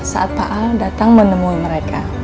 saat pak a datang menemui mereka